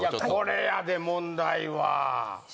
これやで問題は。